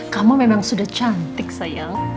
kamu memang sudah cantik saya